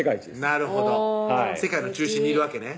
なるほど世界の中心にいるわけね